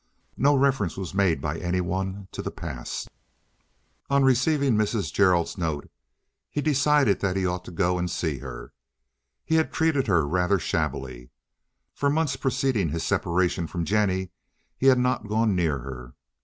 No reference was made by any one to the past. On receiving Mrs. Gerald's note he decided that he ought to go and see her. He had treated her rather shabbily. For months preceding his separation from Jennie he had not gone near her.